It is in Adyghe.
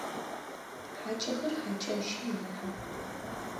Хьакӏэхэр хьакӏэщым ехьэх.